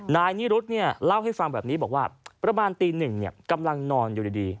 นายนิรุธเล่าให้ฟังแบบนี้บอกว่าประมาณตีหนึ่งกำลังนอนอยู่ดี